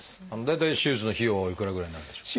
大体手術の費用はおいくらぐらいになるんでしょう？